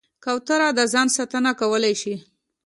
کوتره د ځان ساتنه کولی شي.